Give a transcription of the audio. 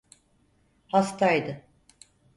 Hastaydı.